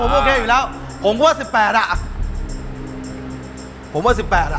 โอเคอยู่แล้วผมก็ว่าสิบแปดอ่ะผมว่าสิบแปดอ่ะ